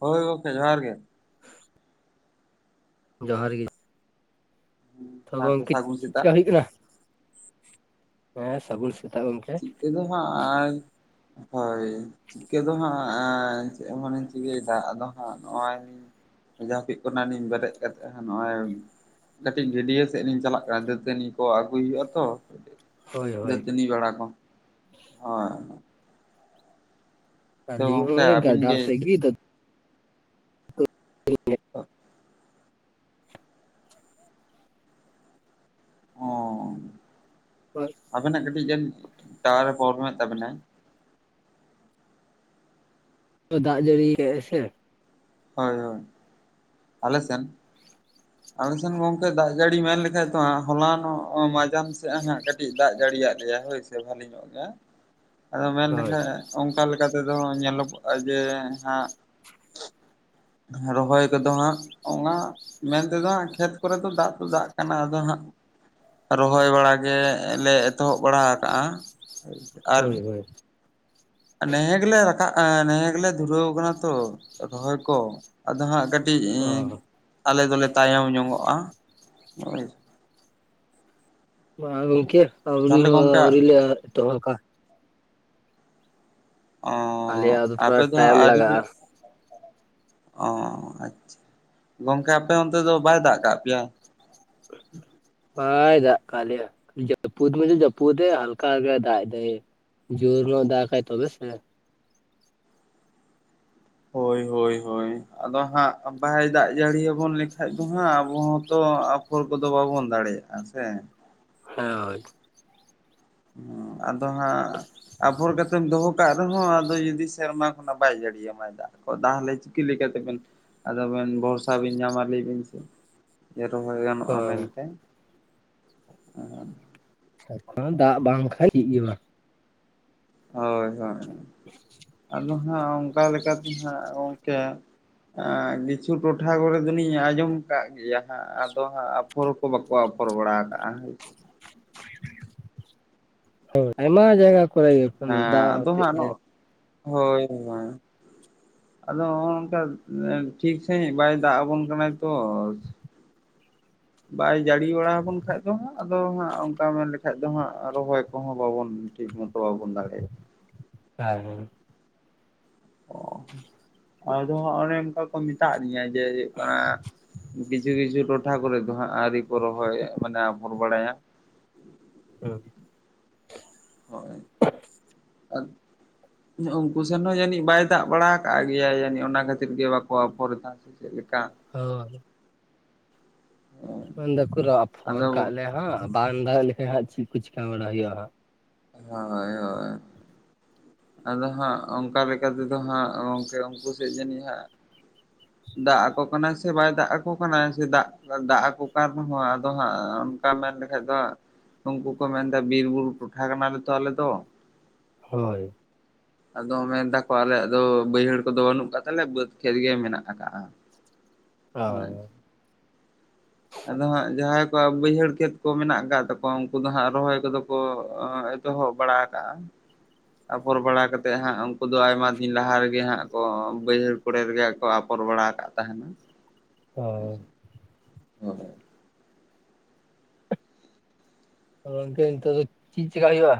ᱦᱳᱭ ᱜᱚᱝᱠᱮ ᱡᱚᱦᱟᱨ ᱜᱮ᱾ ᱡᱚᱦᱟᱨ ᱜᱤ, ᱛᱚ ᱥᱟᱶᱛᱮ ᱜᱚᱝᱠᱮ ᱥᱟᱹᱜᱩᱱ ᱪᱤᱜ ᱪᱤᱠᱟ ᱥᱮᱛᱟᱜ ᱦᱩᱭᱩᱜ ᱠᱟᱱᱟ? ᱦᱮᱸ ᱥᱟᱹᱜᱩᱱ ᱥᱮᱛᱟᱜ ᱜᱚᱝ--᱾ ᱪᱤᱠᱟᱹ ᱫᱚ ᱦᱟᱸᱜ, ᱟᱭ ᱦᱚᱭ ᱾ ᱪᱤᱠᱟᱹ ᱫᱚ ᱦᱟᱸᱜ ᱟᱧ ᱪᱮᱜ ᱦᱚᱸ ᱵᱟᱞᱤᱧ ᱪᱤᱠᱟᱹᱭ ᱫᱟ ᱟᱫᱚ ᱦᱟᱸᱜ ᱱᱚᱜ-ᱚᱭ ᱞᱤᱧ ᱼᱼ ᱡᱟᱯᱤᱜ ᱠᱷᱚᱱᱟᱜ ᱞᱤᱧ ᱵᱮᱨᱮᱫ ᱠᱟᱛᱮᱜ ᱦᱟᱸᱜ ᱱᱚᱜ-ᱚᱭᱼᱼ ᱠᱟᱹᱴᱤᱡ ᱜᱟᱹᱰᱭᱟᱹ ᱥᱮᱜ ᱞᱤᱧ ᱪᱟᱞᱟᱜ ᱠᱟᱱᱟ ᱫᱟᱹᱛᱟᱹᱱᱤ ᱠᱚ ᱟᱜᱩᱭ ᱦᱩᱭᱩᱜ-ᱟ ᱛᱚ ᱦᱳᱭ ᱾ ᱦᱳᱭ ᱫᱟᱹᱛᱟᱹᱱᱤ ᱵᱟᱲᱟ ᱠᱚ, ᱦᱚᱭ [unintelligible] ᱾ ᱟᱹᱞᱤᱧ ᱦᱚᱸᱜ-ᱚᱸᱭ ᱟᱹᱵᱤᱱ ᱜᱟᱰᱟ ᱜᱮ ᱥᱮᱜ ᱪᱮᱫ ᱜᱤ ᱫᱟᱹᱛᱼᱼ [inaudible] ᱚ [inaudible] ᱟᱵᱮᱱᱟᱜ ᱠᱟᱹᱴᱤᱡ ᱡᱟᱱᱤᱡ ᱴᱟᱣᱟᱨᱮ ᱯᱨᱚᱵᱞᱮᱢ ᱮᱫ ᱛᱟᱵᱮᱱᱟᱭ᱾ ᱛᱚ ᱫᱟᱜ ᱡᱟᱹᱲᱤ ᱠᱟᱜ ᱟᱭ ᱥᱮ᱾ ᱦᱳᱭ ᱦᱳᱭ, ᱟᱞᱮ ᱥᱮᱱ ᱟᱞᱮ ᱥᱮᱱ ᱜᱚᱝᱠᱮ ᱫᱟᱜ ᱡᱟᱹᱲᱤ ᱢᱮᱱ ᱞᱮᱠᱷᱟᱱ ᱫᱚ ᱦᱟᱸᱜ ᱦᱚᱞᱟ ᱱᱚᱜ ᱢᱟᱡᱟᱱ ᱥᱮᱱ ᱦᱟᱸᱜ ᱠᱟ ᱠᱟᱹᱴᱤᱡ ᱫᱟᱜ ᱡᱟᱹᱲᱤᱭᱟᱜ ᱞᱮᱭᱟᱭ ᱦᱳᱭ ᱥᱮ ᱵᱷᱟᱹᱞᱤ ᱧᱚᱜ ᱜᱮ᱾ ᱟᱫᱚ ᱢᱮᱱ ᱦᱳᱭ ᱞᱮᱠᱷᱟᱡ ᱚᱱᱠᱟ ᱞᱮᱠᱟ ᱛᱮᱫᱚ ᱧᱮᱞᱚᱜᱚᱜᱼᱟ ᱡᱮ ᱦᱟᱸᱜ ᱨᱚᱦᱚᱭ ᱠᱚᱫᱚ ᱦᱟᱸᱜ ᱚᱝᱟ ᱢᱮᱱ ᱛᱮᱫᱚ ᱦᱟᱸᱜ ᱠᱷᱮᱛ ᱠᱚᱨᱮ ᱫᱚ ᱫᱟᱜ ᱫᱚ ᱫᱟᱜ ᱠᱟᱱᱟ ᱟᱫᱚ ᱦᱟᱸᱜ ᱨᱚᱦᱚᱭ ᱵᱟᱲᱟ ᱜᱮ ᱞᱮ ᱮᱛᱚᱦᱚᱵ ᱵᱟᱲᱟ ᱠᱟᱜᱼᱟ, ᱟᱨ ᱦᱳᱭ ᱦᱳᱭ ᱱᱮᱦᱮ ᱜᱮᱞᱮ ᱨᱟᱠᱟᱵ ᱱᱮᱦᱮ ᱜᱮᱞᱮ ᱫᱷᱩᱨᱟᱹᱣ ᱟᱠᱟᱱᱟ ᱛᱚ ᱨᱚᱦᱚᱭ ᱠᱚ ᱾ ᱟᱫᱚ ᱦᱟᱸᱜ ᱠᱟᱹᱴᱤᱡ ᱚ ᱟᱞᱮ ᱫᱚᱞᱮ ᱛᱟᱭᱚᱢ ᱧᱚᱜᱚᱜᱼᱟ ᱦᱳᱭ [unintelligible] ᱾ ᱵᱟ ᱜᱚᱝᱠᱮ ᱟᱹᱣᱨᱤ ᱛᱟᱦᱚᱞᱮ ᱦᱚ ᱜᱚᱝᱠᱮ ᱟᱹᱣᱨᱤ ᱞᱮ ᱮᱛᱚ ᱦᱚᱠᱟ ᱾ ᱚᱸᱻ ᱟᱞᱮᱭᱟᱜ ᱛᱷᱚᱲᱟ ᱟᱯᱮ ᱫᱚ ᱦᱟᱸᱜ ᱴᱟᱭᱤᱢ ᱟᱹᱣᱨᱤ ᱯᱮ ᱞᱟᱜᱟᱜᱼᱟ ᱚᱸᱻ ᱟᱪᱷ ᱜᱚᱝᱠᱮ ᱟᱯᱮ ᱚᱱᱛᱮ ᱫᱚ ᱵᱟᱭ ᱫᱟᱜ ᱠᱟᱜ ᱯᱮᱭᱟ? [inaudible] ᱵᱟᱭ ᱫᱟᱜᱠᱟ ᱞᱮᱭᱟ ᱡᱟᱹᱯᱩᱛ ᱢᱚᱪᱚ ᱡᱟᱹᱯᱩᱛᱮᱼᱟ ᱦᱟᱞᱠᱟ ᱜᱮ ᱫᱟᱜ ᱮᱫᱟᱭ᱾ ᱡᱳᱨ ᱧᱚᱜ ᱫᱟᱜᱼᱟᱭ ᱛᱚᱵᱮ ᱥᱮ᱾ ᱦᱳᱭ, ᱦᱳᱭ, ᱦᱳᱭ, ᱟᱫᱚ ᱦᱟᱸᱜ ᱵᱟᱭ ᱫᱟᱜ ᱡᱟᱹᱲᱤ ᱟᱵᱚᱱ ᱞᱮᱠᱷᱟᱡ ᱫᱚ ᱦᱟᱸᱜ ᱟᱵᱚ ᱦᱚᱸ ᱛᱚ ᱟ ᱯᱷᱚᱨ ᱠᱚᱫᱚ ᱵᱟᱵᱚᱱ ᱫᱟᱲᱮᱭᱟᱜᱼᱟ ᱥᱮ᱾ ᱦᱮᱸᱼᱳᱭ᱾ ᱩᱸ ᱟᱫᱚ ᱦᱟᱸᱜ ᱟᱯᱷᱚᱨ ᱠᱟᱛᱮᱢ ᱫᱚᱦᱚ ᱠᱟᱜ ᱨᱮᱦᱚᱸ ᱟᱫᱚ ᱡᱩᱫᱤ ᱥᱮᱨᱢᱟ ᱠᱷᱚᱱᱟᱜ ᱵᱟᱭ ᱡᱟᱹᱲᱤᱭᱟᱢᱟᱭ ᱫᱟᱜ᱾ ᱛᱚ ᱛᱟᱦᱚᱞᱮ ᱪᱤᱠᱟᱹ ᱞᱮᱠᱟ ᱛᱮᱵᱮᱱ ᱟᱫᱚ ᱵᱮᱱ ᱵᱷᱚᱨᱥᱟ ᱵᱮᱧ ᱧᱟᱢᱟ ᱞᱟᱹᱭ ᱵᱤᱱ ᱥᱮ? ᱡᱮ ᱨᱚᱦᱚᱭ ᱜᱟᱱᱚᱜᱼᱟ ᱦᱳᱭ ᱢᱮᱱᱛᱮ᱾ [inaudible] ᱫᱟᱜ ᱵᱟᱝ ᱠᱷᱟᱱᱡ ᱪᱤᱜ ᱜᱮ ᱵᱟᱝ᱾ ᱦᱳᱭ ᱦᱳᱭ ᱟᱫᱚ ᱦᱟᱸᱜ ᱚᱝᱠᱟ ᱞᱮᱠᱟᱛᱮ ᱦᱟᱸᱜ ᱜᱚᱝᱠᱮ᱾ ᱟᱸ ᱱᱤᱪᱷᱩ ᱴᱚᱴᱷᱟ ᱠᱚᱨᱮ ᱫᱚᱞᱤᱧ ᱟᱸᱡᱚᱢ ᱠᱟᱜ ᱜᱮᱭᱟ ᱦᱟᱸᱜ ᱟᱫᱚ ᱦᱟᱸᱜ ᱟᱯ ᱯᱷᱚᱨ ᱠᱚ ᱵᱟᱠᱚ ᱟᱯᱷᱚᱨ ᱵᱟᱲᱟ ᱟᱠᱟᱜᱼᱟ᱾ ᱦᱳ ᱟᱭᱢᱟ ᱡᱟᱭᱜᱟ ᱠᱚᱨᱮ ᱜᱮ᱾ ᱫᱟᱜ ᱦᱮᱸ ᱟᱫᱚ ᱦᱚᱛᱮᱫ ᱦᱟᱸᱜ ᱜᱮ ᱱᱚᱜ ᱦᱳᱭ᱾ [inaudible] ᱟᱫᱚ ᱦᱚᱸ ᱚᱝᱠᱟ ᱴᱷᱤᱠ ᱥᱟᱹᱦᱤᱡ ᱵᱟᱭ ᱫᱟᱜ ᱟᱵᱚᱱ ᱠᱟᱱᱟᱭ ᱛᱚ᱾ ᱵᱟᱭ ᱡᱟᱹᱲᱤ ᱵᱟᱲᱟ ᱟᱵᱚᱱ ᱠᱷᱟᱡ ᱫᱚ ᱦᱟᱸᱜ ᱟᱫᱚ ᱦᱟᱸᱜ ᱚᱱᱠᱟ ᱢᱮᱱ ᱞᱮᱠᱷᱟᱡ ᱫᱚ ᱦᱟᱸᱜ ᱨᱚᱦᱚᱭ ᱠᱚᱦᱚᱸ ᱵᱟᱵᱚᱱ ᱴᱷᱤᱠ ᱢᱚᱛᱚ ᱵᱟᱵᱚᱱ ᱫᱟᱲᱮ [inaudible] ᱚ ᱟᱫᱚ ᱦᱟᱜ ᱚᱱᱮ ᱚᱱᱠᱟ ᱠᱚ ᱢᱮᱛᱟᱜ ᱞᱤᱧᱟ ᱡᱮ ᱦᱩᱭᱩᱜ ᱠᱟᱱᱟ ᱠᱤᱪᱷᱩ ᱠᱤᱪᱷᱩ ᱴᱚᱴᱷᱟ ᱠᱚᱨᱮ ᱫᱚ ᱦᱟᱜ ᱟᱹᱣᱨᱤ ᱠᱚ ᱨᱚᱦᱚᱭ ᱢᱟᱱᱮ ᱟᱯᱷᱚᱨ ᱵᱟᱲᱟᱭᱟ᱾ ᱟᱸ᱾ ᱦᱳᱭ᱾ [inaudible] ᱩᱱᱠᱩ ᱥᱮᱱ ᱦᱚᱸ ᱡᱟᱹᱱᱤᱡ ᱵᱟᱭ ᱫᱟᱜ ᱵᱟᱲᱟ ᱟᱠᱟᱜ ᱜᱮᱭᱟ ᱡᱟᱱᱤᱡ ᱚᱱᱟ ᱠᱷᱟᱹᱛᱤᱨ ᱜᱮ ᱵᱟᱠᱚ ᱟᱯᱷᱚᱨ ᱫᱟ᱾ ᱪᱮᱜ ᱞᱮᱠᱟ? ᱦᱳᱭ᱾ ᱢᱮᱱ ᱫᱟᱠᱚ ᱨᱟ ᱟᱯᱷᱚᱨ ᱟᱫᱚ ᱠᱟᱜ ᱞᱮ ᱦᱟᱸᱜ ᱵᱟᱝ ᱫᱟᱜ ᱞᱮᱠᱷᱟᱭ ᱦᱟᱸᱜ ᱪᱤ ᱠᱚ ᱪᱤᱠᱟ ᱵᱟᱲᱟ ᱦᱩᱭᱩᱜᱼᱟ ᱦᱟᱸᱜ᱾ ᱦᱳᱭ ᱦᱳᱭ᱾ ᱟᱫᱚ ᱦᱟᱸᱜ ᱚᱱᱠᱟ ᱞᱮᱠᱟ ᱛᱮᱫᱚ ᱦᱟᱸᱜ ᱜᱚᱝᱠᱮ ᱩᱱᱠᱩ ᱥᱮᱡ ᱡᱟᱱᱤᱡ ᱦᱟᱸᱜ ᱫᱟᱜ ᱟᱠᱚ ᱠᱟᱱᱟᱭ ᱥᱮ ᱵᱟᱭ ᱫᱟᱜ ᱟᱠᱚ ᱠᱟᱱᱟ, ᱥᱮ ᱫᱟᱜ ᱫᱟᱜ ᱟᱠᱚ ᱠᱟᱱ ᱨᱮᱦᱚᱸ ᱟᱫᱚ ᱦᱟᱸᱜ ᱚᱱᱠᱟ ᱢᱮᱱ ᱞᱮᱠᱷᱟᱡ ᱫᱚ ᱩᱱᱠᱩ ᱠᱚ ᱢᱮᱱᱫᱟ ᱵᱤᱨ ᱵᱩᱨᱩ ᱴᱚᱴᱷᱟ ᱠᱟᱱᱟᱞᱮ ᱛᱚ ᱟᱞᱮ ᱫᱚ᱾ ᱦᱳᱭ ᱟᱫᱚ ᱢᱮᱱ ᱫᱟᱠᱚ ᱟᱞᱮᱭᱟᱜ ᱫᱚ ᱵᱟᱹᱭᱦᱟᱹᱲ ᱠᱚᱫᱚ ᱵᱟᱹᱱᱩᱜ ᱟᱠᱟᱫ ᱛᱟᱞᱮᱭᱟ ᱵᱟᱹᱫᱽ ᱠᱷᱮᱛ ᱜᱮ ᱢᱮᱱᱟᱜ ᱟᱠᱟᱜᱼᱟ ᱦᱳᱭ ᱟᱫᱚ ᱦᱟᱸᱜ ᱡᱟᱦᱟᱸ ᱚᱠᱟ ᱵᱟᱹᱭᱦᱟᱹᱲ ᱠᱷᱮᱛ ᱠᱚ ᱢᱮᱱᱟᱜ ᱟᱠᱟᱫ ᱛᱟᱠᱚᱣᱟ ᱩᱱᱠᱩ ᱫᱚ ᱦᱟᱸᱜ ᱨᱚᱦᱚᱭ ᱠᱚᱫᱚ ᱠᱚ ᱮᱛᱚᱦᱚᱵ ᱵᱟᱲᱟ ᱠᱟᱜᱼᱟ ᱟᱯᱚᱨ ᱵᱟᱲᱟ ᱠᱟᱛᱮᱫ ᱦᱟᱸᱜ ᱩᱱᱠᱩ ᱫᱚ ᱟᱭᱢᱟ ᱫᱤᱱ ᱞᱟᱦᱟ ᱨᱮᱜᱮ ᱦᱟᱸᱜ ᱠᱚ ᱵᱟᱹᱭᱦᱟᱹᱲ [unintelligible] ᱮᱨᱜᱮ ᱠᱚ ᱟᱯᱚᱨ ᱵᱟᱲᱟ ᱟᱠᱟᱫ ᱛᱟᱦᱮᱱᱟ ᱦᱚᱭ [unintelligible] ᱜᱚᱝᱠᱮ ᱱᱤᱛᱚᱜ ᱫᱚ ᱪᱤᱫ ᱪᱤᱠᱟ ᱦᱩᱭᱩᱜ -ᱟ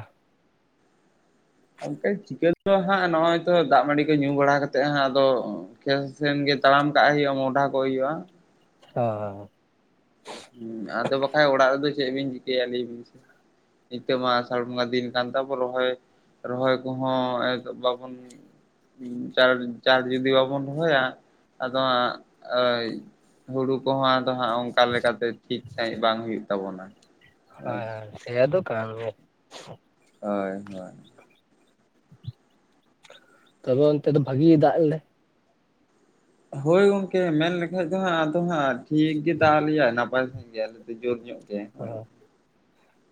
ᱜᱚᱝᱠᱮ ᱪᱤᱠᱟᱹ ᱫᱚ ᱦᱟᱸᱜ ᱱᱚᱜᱼᱚᱭ ᱛᱚ ᱫᱟᱜ ᱢᱟᱰᱤ ᱠᱚ ᱧᱩ ᱵᱟᱲᱟ ᱠᱟᱛᱮᱜ ᱦᱟᱸᱜ ᱟᱫᱚ ᱠᱷᱮᱛ ᱥᱮᱱ ᱜᱮ ᱛᱟᱲᱟᱢ ᱠᱟᱜ ᱦᱩᱭᱩᱜᱼᱟ ᱢᱚᱦᱰᱟ ᱠᱚᱜ ᱦᱩᱭᱩᱜᱼᱟ ᱦᱚ ᱦᱚ ᱦᱚ ᱦᱢᱸ ᱟᱫᱚ ᱵᱟᱠᱷᱟᱡ ᱚᱲᱟᱜ ᱨᱮᱫᱚ ᱪᱮᱫ ᱵᱤᱱ ᱪᱤᱠᱟᱹᱭᱟ ᱞᱟᱹᱭ ᱵᱤᱱ ᱥᱮ ᱱᱤᱛᱚᱜ ᱢᱟ ᱟᱥᱟᱲ ᱵᱚᱸᱜᱟ ᱫᱤᱱ ᱠᱟᱱ ᱛᱟᱵᱚ ᱨᱚᱦᱚᱭ ᱨᱚᱦᱚᱭ ᱠᱚᱦᱚᱸ ᱮᱠ ᱵᱟᱵᱚᱱ ᱦᱩᱸ ᱪᱟᱲ ᱪᱟᱲ ᱡᱩᱫᱤ ᱵᱟᱵᱚᱱ ᱨᱚᱦᱚᱭᱟ ᱟᱫᱚ ᱦᱟᱸᱜ ᱟᱹᱭ ᱦᱩᱲᱩ ᱠᱚᱦᱚᱸ ᱟᱫᱚ ᱦᱟᱸᱜ ᱚᱱᱠᱟ ᱞᱮᱠᱟᱛᱮ ᱴᱷᱤᱠ ᱥᱟᱺᱦᱤᱡ ᱵᱟᱝ ᱦᱩᱭᱩᱜ ᱛᱟᱵᱚᱱᱟ ᱦᱳᱭ ᱥᱮᱭ ᱟᱫᱚ ᱠᱟᱱ ᱜᱮᱭᱟ ᱾ ᱦᱚᱭ ᱦᱚᱭ ᱛᱚᱵᱮ ᱚᱱᱛᱮ ᱫᱚ ᱵᱷᱟᱜᱤ ᱜᱮ ᱫᱟᱜ ᱞᱮᱫᱟᱭ ᱦᱳᱭ ᱜᱚᱢᱠᱮ ᱢᱮᱱᱞᱮᱠᱷᱟᱡ ᱫᱚ ᱦᱟᱸᱜ ᱟᱫᱚ ᱦᱟᱸᱜ ᱴᱷᱤᱠ ᱜᱮ ᱫᱟᱜ ᱟᱞᱮᱭᱟ ᱱᱟᱯᱟᱭ ᱥᱟᱺᱦᱤᱡ ᱫᱤᱭᱮ ᱟᱞᱮ ᱫᱚ ᱡᱳᱨ ᱧᱚᱜ ᱜᱮ ᱦᱳᱭ ᱚᱦᱚ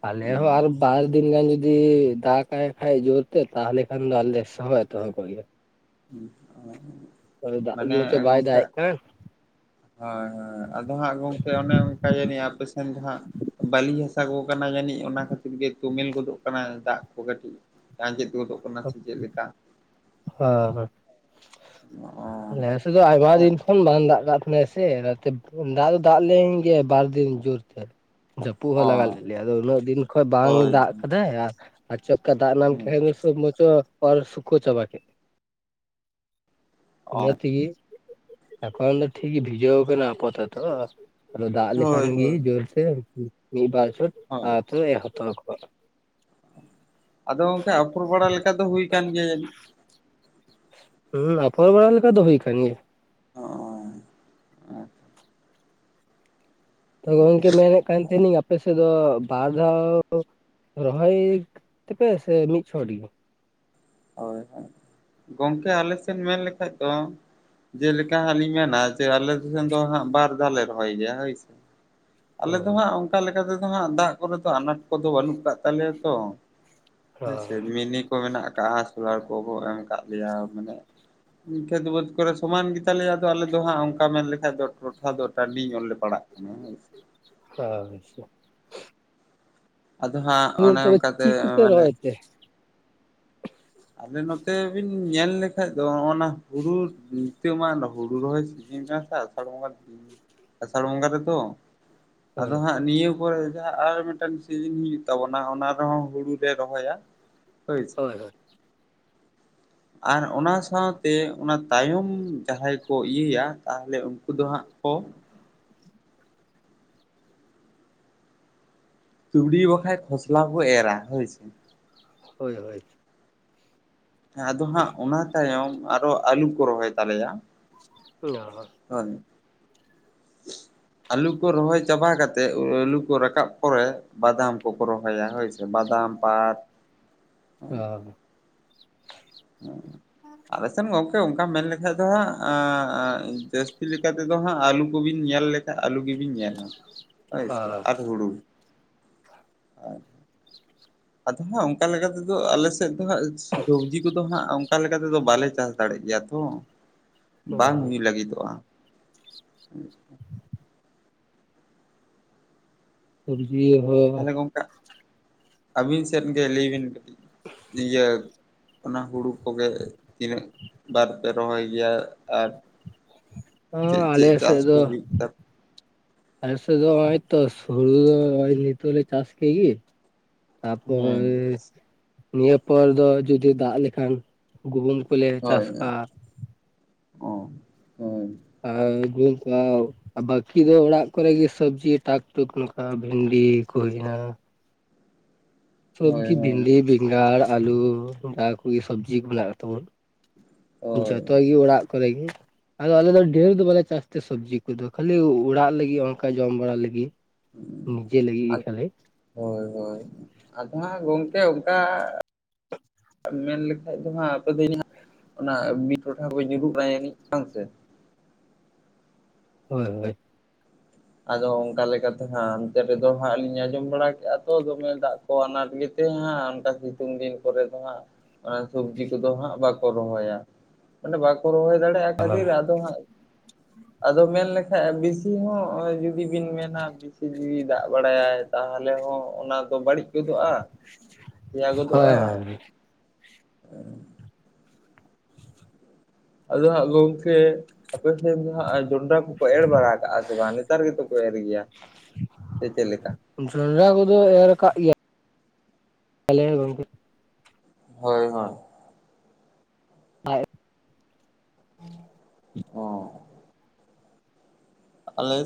ᱟᱞᱮ ᱦᱚᱸ ᱦᱩᱸ ᱟᱨ ᱵᱟᱨ ᱫᱤᱱ ᱜᱟᱱ ᱡᱩᱫᱤ ᱫᱟᱜᱟᱭ ᱠᱷᱟᱡ ᱡᱳᱨ ᱛᱮ ᱛᱟᱦᱚᱞᱮ ᱠᱷᱟᱱ ᱫᱚ ᱟᱞᱮᱥᱟᱶ ᱮᱛᱚᱦᱚᱜ ᱦᱳᱭᱳᱜᱼᱟ ᱦᱢᱸ ᱟ [unintelligible] ᱟᱫᱚ ᱫᱟᱜ ᱜᱮᱪᱚ ᱵᱟᱭ ᱫᱟᱜ ᱮᱜ ᱠᱟᱱ ᱦᱚᱭ ᱦᱚᱭ ᱟᱫᱚ ᱦᱟᱸᱜ ᱜᱚᱝᱠᱮ ᱚᱱᱮ ᱚᱱᱠᱟ ᱡᱟᱹᱱᱤᱡ ᱟᱯᱮᱥᱮᱱ ᱫᱚ ᱦᱟᱸᱜ ᱵᱟᱹᱞᱤ ᱦᱟᱥᱟ ᱢᱮᱥᱟ ᱟᱹᱜᱩ ᱠᱟᱱᱟ ᱡᱟᱹᱱᱤᱡ ᱚᱱᱟ ᱠᱷᱟᱹᱛᱤᱨ ᱜᱮ ᱛᱩᱢᱮᱞ ᱜᱚᱫᱚᱜ ᱠᱟᱱᱟ ᱫᱟᱜ ᱠᱚ ᱠᱟᱴᱤᱡ ᱟᱡᱮᱸᱫ ᱜᱚᱫᱚᱜ ᱠᱟᱱᱟ ᱥᱮ ᱪᱮᱫ ᱞᱮᱠᱟ ᱦᱚᱸ ᱦᱚᱸ ᱱᱮᱥ ᱱᱚᱛᱮ ᱫᱚ ᱟᱭᱢᱟ ᱫᱤᱱ ᱠᱷᱚᱱ ᱵᱟᱝ ᱫᱟᱜ ᱠᱟᱜ ᱛᱟᱦᱮᱱᱟ ᱥᱮ ᱚᱱᱟᱛᱮ ᱫᱟᱜ ᱫᱚ ᱫᱟᱜ ᱞᱮᱱ ᱜᱮ ᱵᱟᱨ ᱫᱤᱱ ᱡᱳᱨ ᱛᱮ ᱠᱷᱢ [unintelligible] ᱡᱟᱹᱯᱩᱫ ᱮ ᱞᱟᱜᱟᱣ ᱚ ᱞᱮᱫ ᱞᱮᱭᱟ, ᱟᱫᱚ ᱩᱱᱟᱹᱜ ᱫᱤᱱ ᱠᱷᱚᱱ ᱵᱟᱝ ᱦᱳᱭ ᱫᱟᱜ ᱟᱠᱟᱫᱟᱭ ᱟᱨ ᱪᱮᱫᱠᱟ ᱫᱟᱜ ᱱᱟᱢ ᱦᱩᱸ ᱠᱮᱜᱼᱟᱭᱱᱤ ᱾ [unintelligible] ᱪᱟᱵᱟ ᱠᱮᱫ ᱚ ᱤᱱᱟᱹ ᱛᱮᱜᱤ, ᱮᱠᱷᱚᱱ ᱴᱷᱤᱠ ᱵᱷᱤᱡᱟᱣ ᱠᱟᱱᱟ ᱟᱯᱟᱛᱚᱛᱚ ᱾ ᱟᱫᱚ ᱫᱟᱜ ᱞᱮᱠᱷᱟᱱ ᱦᱳᱭ ᱜᱮ ᱦᱳᱭ ᱡᱳᱨ ᱛᱮ ᱢᱤᱫ ᱵᱟᱨ ᱪᱷᱚᱴ ᱦᱳᱭ ᱟᱫᱚᱭ ᱦᱟᱛᱟᱣ ᱠᱚᱣᱟᱭ ᱾ ᱟᱫᱚ ᱜᱚᱢᱠᱮ ᱟᱯᱷᱩᱨ ᱵᱟᱲᱟ ᱞᱮᱠᱟ ᱫᱚ ᱦᱩᱭ ᱠᱟᱱ ᱜᱮᱭᱟ ᱡᱟᱱᱤᱡ? ᱦᱩᱸ ᱟᱯᱷᱚᱨ ᱵᱟᱲᱟ ᱞᱮᱠᱟ ᱫᱚ ᱦᱩᱭ ᱠᱟᱱ ᱜᱮᱭᱟ ᱾ ᱚ ᱟᱪᱪᱷᱟ ᱛᱚ ᱜᱚᱢᱠᱮ ᱢᱮᱱᱮᱫ ᱠᱟᱱ ᱛᱟᱦᱮᱱᱤᱧ ᱟᱯᱮ ᱥᱮᱫ ᱫᱚ ᱵᱟᱨ ᱫᱷᱟᱣᱼᱼ ᱨᱚᱦᱚᱭ ᱛᱮᱯᱮ ᱥᱮ ᱢᱤᱫ ᱪᱷᱚᱴ ᱜᱮ? ᱦᱳᱭ ᱦᱳᱭ ᱜᱚᱝᱠᱮ ᱟᱞᱮᱥᱮᱫ ᱢᱮᱱ ᱞᱮᱠᱷᱟᱡ ᱫᱚᱼᱼ ᱡᱮ ᱞᱮᱠᱟ ᱦᱟᱞᱤᱧ ᱢᱮᱱᱟ ᱡᱮ ᱟᱞᱮ ᱫᱤᱥᱚᱢ ᱫᱚ ᱦᱟᱜ ᱵᱟᱨ ᱫᱷᱟᱣ ᱞᱮ ᱨᱚᱦᱚᱭ ᱜᱮᱭᱟ ᱦᱳᱭ ᱥᱮ ᱾ ᱟᱞᱮ ᱫᱚ ᱦᱳᱭ ᱦᱟᱸᱜ ᱚᱱᱠᱟ ᱞᱮᱠᱟ ᱛᱮᱫᱚ ᱦᱟᱸᱜ ᱫᱟᱜ ᱠᱚᱨᱮ ᱫᱚ ᱟᱱᱟᱴ ᱠᱚᱫᱚ ᱵᱟᱹᱱᱩᱜ ᱠᱟᱜ ᱛᱟᱞᱮᱭᱟ ᱛᱚ ᱾ ᱦᱳᱭᱥᱮ ᱦᱳᱭ ᱢᱤᱱᱤ ᱠᱚ ᱢᱮᱱᱟᱜ ᱟᱠᱟᱜᱼᱟ, ᱥᱳᱞᱟᱨ ᱠᱚᱠᱚ ᱮᱢ ᱟᱠᱟᱫ ᱞᱮᱭᱟ, ᱢᱟᱱᱮᱼᱼ ᱠᱷᱮᱛ ᱵᱟᱹᱫᱽ ᱠᱚᱨᱮ ᱥᱚᱢᱟᱱ ᱜᱮ ᱛᱟᱞᱮᱭᱟ ᱟᱫᱚ ᱟᱞᱮ ᱫᱚ ᱦᱟᱸᱜ ᱚᱱᱠᱟ ᱢᱮᱱ ᱞᱮᱠᱷᱟᱡ ᱫᱚ ᱾ ᱴᱚᱴᱷᱟ ᱫᱚ ᱴᱟ. ᱱᱰᱤ ᱧᱚᱜ ᱞᱮ ᱯᱟᱲᱟᱜ ᱠᱟᱱᱟ ᱦᱳᱭᱥᱮ᱾ ᱟᱪᱪᱷᱟ ᱟᱫᱚ ᱦᱟᱸᱜ ᱦᱳᱭ ᱚᱱᱮ ᱛᱚᱵᱮ ᱚᱱᱠᱟ ᱛᱮ ᱪᱮᱫ ᱮᱸ ᱠᱚᱯᱮ ᱢᱟᱱᱮ ᱨᱚᱦᱚᱭ ᱛᱮ ᱟᱞᱮ ᱱᱚᱛᱮ ᱵᱤᱱ ᱧᱮᱞ ᱞᱮᱠᱷᱟᱡ ᱫᱚ ᱦᱚᱼᱚᱱᱟ ᱦᱩᱲᱩ ᱱᱤᱛᱟ ᱢᱟ ᱦᱩᱲᱩ ᱨᱚᱦᱚᱭ ᱥᱤᱡᱤᱱ ᱠᱟᱱᱟ ᱥᱮ ᱟᱥᱟᱲ ᱵᱚᱸᱜᱟ [inaudible] ᱟᱥᱟᱲ ᱵᱚᱸᱜᱟ ᱨᱮᱫᱚ ᱟᱫᱚ ᱦᱳᱭ ᱦᱟᱸᱜ ᱱᱤᱭᱟᱹ ᱯᱚᱼᱮ ᱡᱟᱦᱟᱸ ᱟᱨ ᱢᱤᱴᱮᱱ ᱥᱤᱡᱤᱱ ᱦᱤᱡᱩᱜ ᱛᱟᱵᱚᱱᱟ ᱚᱱᱟ ᱨᱮᱦᱚᱸ ᱦᱩᱲᱩ ᱞᱮ ᱨᱚᱦᱚᱭᱟ᱾ ᱦᱳᱭ ᱦᱳᱭ᱾ ᱟᱨ ᱚᱱᱟ ᱥᱟᱶᱛᱮ ᱚᱱᱟ ᱛᱟᱭᱚᱢ ᱡᱟᱦᱟᱸᱭ ᱠᱚ ᱤᱭᱟᱹᱭᱟ ᱛᱟᱦᱚᱞᱮ ᱩᱱᱠᱩ ᱫᱚ ᱦᱟᱸᱜ ᱠᱚ ᱛᱩᱞᱤ ᱵᱟᱠᱷᱟᱭ ᱠᱷᱚᱥᱞᱟ ᱠᱚ ᱮᱨᱟ, ᱦᱳᱭ ᱥᱮ᱾ ᱦᱳᱭ ᱦᱳᱭ᱾ ᱦᱮ ᱟᱫᱚ ᱦᱟᱸᱜ ᱚᱱᱟ ᱛᱟᱭᱚᱢ ᱟᱨᱦᱚᱸ ᱟᱹᱞᱩ ᱠᱚ ᱨᱚᱦᱚᱭ ᱛᱟᱞᱮᱭᱟ᱾ [unintelligible] [unintelligible] ᱟᱹᱞᱩ ᱠᱚ ᱨᱚᱦᱚᱭ ᱪᱟᱵᱟ ᱠᱟᱛᱮᱜ ᱟᱹᱞᱩ ᱠᱚ ᱨᱟᱠᱟᱵ ᱯᱚᱨᱮ᱾ ᱵᱟᱫᱟᱢ ᱠᱚᱠᱚ ᱨᱚᱦᱚᱭᱟ ᱦᱳᱭ ᱥᱮ ᱵᱟᱫᱟᱢ, ᱯᱟᱴ᱾ [inaudible] [inaudible] ᱟᱞᱮ ᱥᱮᱫ ᱜᱚᱝᱠᱮ ᱚᱝᱠᱟ ᱢᱮᱱ ᱞᱮᱠᱷᱟᱡ ᱫᱚ ᱦᱟᱸᱜ ᱮᱸᱜ ᱟᱸᱜ ᱡᱟᱹᱥᱛᱤ ᱞᱮᱠᱟ ᱛᱮᱫᱚ ᱦᱟᱸᱜ ᱟᱹᱞᱩ ᱠᱚᱵᱤᱱ ᱧᱮᱞ ᱞᱮ ᱟᱹᱞᱩ ᱜᱮᱵᱤᱱ ᱧᱮᱞᱟ ᱦᱳᱭ ᱥᱮ ᱟᱨ ᱦᱩᱲᱩ᱾ ᱟᱫᱚ ᱦᱟᱸᱜ ᱚᱝᱠᱟ ᱞᱮᱠᱟᱛᱮᱫᱚ ᱟᱞᱮ ᱥᱮᱫ ᱫᱚ ᱦᱟᱸᱜ ᱥᱚᱵᱽᱡᱤ ᱠᱚᱫᱚ ᱦᱟᱸᱜ ᱚᱝᱠᱟ ᱞᱮᱠᱟᱛᱮᱫᱚ ᱵᱟᱞᱮ ᱪᱟᱥ ᱫᱟᱲᱮᱜ ᱜᱮᱭᱟ ᱛᱚ᱾ ᱵᱟᱝ ᱦᱳᱭ ᱦᱩᱭ ᱞᱟᱹᱜᱤᱫᱚᱜᱼᱟ, ᱟᱪᱪᱷᱟ᱾ ᱥᱚᱵᱽᱡᱤ [unintelligible] ᱛᱟᱦᱚᱞᱮ ᱜᱚᱝᱠᱮ ᱟᱹᱵᱤᱱ ᱥᱮᱫ ᱜᱮ ᱞᱟᱹᱭᱵᱮᱱ ᱠᱟᱹᱴᱤᱡ ᱤᱭᱟᱹ ᱚᱱᱟ ᱦᱩᱲᱩ ᱠᱚᱜᱮ ᱛᱤᱱᱟᱹᱜ ᱵᱟᱨ ᱯᱮ ᱨᱚᱦᱚᱭ ᱜᱮᱭᱟ ᱟᱨ ᱪᱮᱫ ᱦᱚᱸ ᱟᱞᱮ ᱪᱮᱫ ᱪᱟᱥ ᱠᱚ ᱦᱩᱭᱩᱜ [unintelligible] ᱟᱞᱮᱥᱮᱫ ᱫᱚ ᱱᱚᱜ-ᱚᱭ ᱛᱚ ᱦᱩᱲᱩ ᱱᱚᱜ-ᱚᱭ ᱱᱤᱛᱚᱜ ᱞᱮ ᱪᱟᱥ ᱠᱮᱫᱜᱮ ᱛᱟᱨᱯᱚᱨ ᱦᱮᱸ ᱱᱤᱭᱟᱹ ᱯᱚᱨ ᱫᱚ ᱡᱩᱫᱤ ᱫᱟᱜ ᱞᱮᱠᱷᱟᱱ ᱜᱩᱦᱩᱢ ᱠᱚᱞᱮ ᱪᱟᱥ ᱦᱳᱭ ᱠᱟᱜ-ᱟ ᱚ, ᱦᱳᱭ᱾ ᱟᱨ ᱜᱟᱹᱭ ᱠᱚ ᱵᱟᱠᱤ ᱫᱚ ᱚᱲᱟᱜ ᱠᱚᱨᱮᱜᱮ ᱥᱚᱵᱽᱡᱤ ᱴᱟᱠ-ᱴᱩᱠ ᱱᱚᱝᱠᱟ ᱵᱷᱤᱱᱰᱤ ᱠᱚ ᱦᱩᱭᱱᱟ ᱦᱳᱭ ᱥᱚᱵᱽᱡᱤ ᱦᱳᱭ ᱵᱷᱤᱱᱰᱤ, ᱵᱮᱸᱜᱟᱲ, ᱟᱹᱞᱩ ᱡᱟ ᱠᱚ ᱥᱚᱵᱽᱡᱤ ᱢᱮᱱᱟᱜ ᱛᱟᱵᱚᱱ ᱦᱳᱭ ᱡᱚᱛᱚ ᱜᱮ ᱚᱲᱟᱜ ᱠᱚᱨᱮ ᱜᱮ ᱟᱫᱚ ᱟᱞᱮ ᱫᱚ ᱰᱷᱮᱨ ᱫᱚ ᱵᱟᱞᱮ ᱪᱟᱥ ᱛᱮ ᱥᱚᱵᱽᱡᱤ ᱠᱚᱫᱚ ᱠᱷᱟᱞᱤ ᱚᱲᱟᱜ ᱞᱟᱹᱜᱤᱫ ᱚᱝᱠᱟ ᱡᱚᱢ ᱵᱟᱲᱟ ᱞᱟᱹᱜᱤᱫ᱾ ᱱᱤᱡᱮ ᱞᱟᱹᱜᱤᱫᱤ ᱜᱮ ᱠᱷᱟᱞᱤ ᱦᱳᱭ ᱦᱳᱭ ᱟᱫᱚ ᱦᱟᱸᱜ ᱜᱚᱝᱠᱮ ᱚᱝᱠᱟ [inaudible] ᱢᱮᱱ ᱞᱮᱠᱷᱟᱡ ᱫᱚ ᱦᱟᱸᱜ ᱟᱯᱮ ᱫᱚ ᱦᱟᱸᱜ ᱚᱱᱟ ᱵᱤᱨ ᱴᱚᱴᱷᱟ ᱠᱚᱧ ᱩᱫᱩᱜ ᱟᱭᱟ ᱱᱤᱡ ᱵᱟᱝ ᱥᱮ ᱦᱳᱭ᱾ ᱟᱫᱚ ᱚᱝᱠᱟ ᱞᱮᱠᱟᱛᱮ ᱦᱟᱸᱜ ᱚᱱᱛᱮ ᱨᱮᱫᱚ ᱦᱟᱸᱜ ᱞᱤᱧ ᱟᱸᱡᱚᱢ ᱵᱟᱲᱟ ᱠᱮᱜᱼᱟ ᱛᱚ ᱫᱚᱢᱮ ᱫᱟᱜ ᱠᱚ ᱟᱱᱟᱴ ᱜᱮᱛᱮ ᱦᱮᱸ ᱚᱱᱠᱟ ᱥᱤᱛᱩᱝ ᱫᱤᱱ ᱠᱚ ᱫᱚ ᱦᱟᱸᱜ ᱚᱱᱟ ᱥᱚᱵᱽᱡᱤ ᱠᱚᱫᱚ ᱦᱟᱸᱜ ᱵᱟᱠᱚ ᱨᱚᱦᱚᱭᱟ ᱢᱟᱱᱮ ᱵᱟᱠᱚ ᱨᱚᱦᱚᱭ ᱫᱟᱲᱮᱭᱟᱜᱼᱟ ᱠᱷᱟᱹᱛᱤᱨ ᱟᱫᱚ ᱦᱟᱸᱜ ᱟᱫᱚ ᱢᱮᱱ ᱞᱮᱠᱷᱟᱡ ᱵᱤᱥᱤ ᱦᱚᱸ ᱱᱚᱜᱼᱚᱭ ᱡᱩᱫᱤ ᱵᱤᱱ ᱢᱮᱱᱟ ᱵᱤᱥᱤ ᱡᱩᱫᱤ ᱫᱟᱜ ᱵᱟᱲᱟᱭᱟᱭ ᱛᱟᱦᱚᱞᱮ ᱦᱚᱸ ᱚᱱᱟᱫᱚ ᱵᱟᱹᱲᱤᱡ ᱜᱚᱫᱚᱜᱼᱟ, ᱥᱮᱭᱟ ᱦᱳᱭ ᱜᱚᱫᱚᱜᱼᱟ ᱦᱳᱭ ᱟᱫᱚ ᱦᱟᱸᱜ ᱜᱚᱝᱠᱮ ᱟᱯᱮ ᱥᱮᱫ ᱫᱚ ᱦᱟᱸᱜ ᱡᱚᱸᱰᱨᱟ ᱠᱚᱠᱚ ᱮᱨ ᱵᱟᱲᱟ ᱟᱠᱟᱜ-ᱟ ᱥᱮ ᱵᱟᱝ ᱱᱮᱛᱟᱨ ᱜᱮᱛᱚ ᱠᱚ ᱮᱨ ᱜᱮᱭᱟ᱾ ᱥᱮ ᱪᱮᱫ ᱞᱮᱠᱟ? ᱡᱚᱸᱰᱨᱟ ᱠᱚᱫᱚ ᱮᱨᱟᱠᱟᱫ ᱜᱮᱭᱟ ᱞᱮ ᱜᱚᱝᱠᱮ ᱦᱳᱭ ᱦᱳᱭ᱾ [unintelligible] ᱚ ᱟᱞᱮ